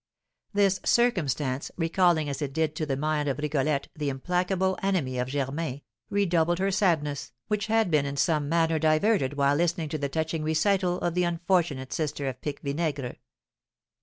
This circumstance, recalling as it did to the mind of Rigolette the implacable enemy of Germain, redoubled her sadness, which had been in some manner diverted while listening to the touching recital of the unfortunate sister of Pique Vinaigre.